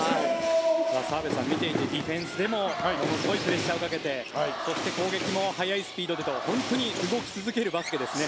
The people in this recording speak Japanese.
澤部さん見ていてディフェンスでもすごいプレッシャーをかけて攻撃でも速いスピードでと動き続けるバスケですね。